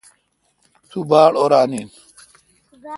تو باڑ اوران این۔